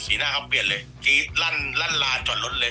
สีหน้าเขาเปลี่ยนเลยจริงลั่นลาจอดรถเลย